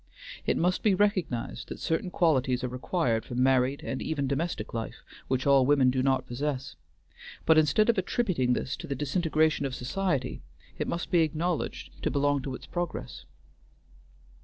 It must be recognized that certain qualities are required for married, and even domestic life, which all women do not possess; but instead of attributing this to the disintegration of society, it must be acknowledged to belong to its progress.